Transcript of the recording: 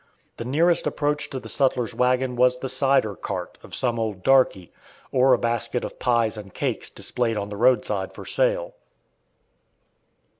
The nearest approach to the sutler's wagon was the "cider cart" of some old darkey, or a basket of pies and cakes displayed on the roadside for sale.